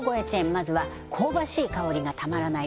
まずは香ばしい香りがたまらない！